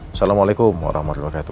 assalamualaikum warahmatullahi wabarakatuh